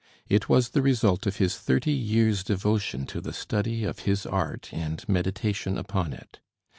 It was the result of his thirty years' devotion to the study of his art and meditation upon it.